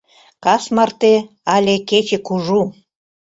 Кас марте але кече кужу.